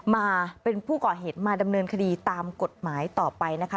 มาเป็นผู้ก่อเหตุมาดำเนินคดีตามกฎหมายต่อไปนะคะ